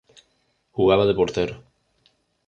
Jugaba de Portero.